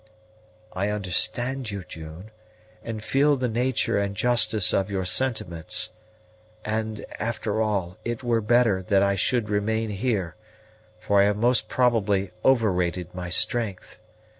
"I understand you, June, and feel the nature and justice of your sentiments; and, after all, it were better that I should remain here, for I have most probably overrated my strength.